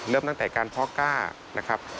เริ่มตั้งแต่การเพาะก้านะครับ